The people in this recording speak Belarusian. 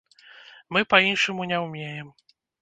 Мы па-іншаму не ўмеем!